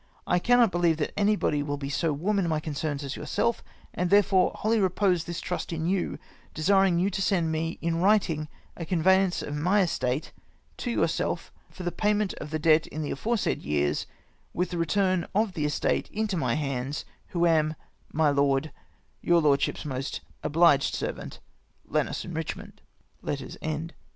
I cannot believe anybody will be so warm in my concerns as yourself, and therefore wholly repose this trust in you, desiring you to send me in writing a con veyance of my estate to yourself for the payment of the debt in the aforesaid years, with the return of the estate into my hands, who am, my lord, " Your lordship's most obliged servant, " Lends and Kichmdnd."